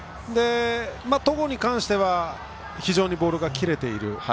戸郷に関しては非常にボールが切れている。